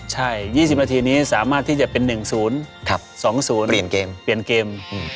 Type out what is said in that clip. ใช่๒๐นาทีนี้สามารถที่จะเป็น๑๐๒๐เปลี่ยนเกมเปลี่ยนเกม